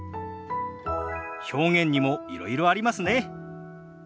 表現にもいろいろありますね。